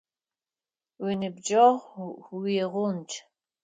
Уиныбджэгъу уигъундж.